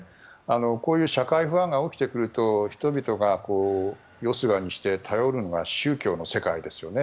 こういう社会不安が起きてくると人々がよすがにして頼るのは宗教の世界ですよね。